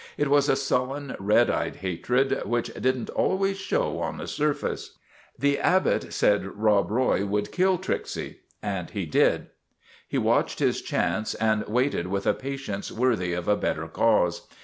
It was a sullen, red eyed hatred, which did n't al ways show on the surface. " The Abbot said Rob Roy would kill Tricksy io6 JUSTICE AT VALLEY BROOK and he did. He watched his chance and waited with a patience worthy of a better cause.